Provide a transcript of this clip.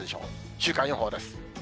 週間予報です。